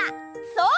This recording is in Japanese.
そう！？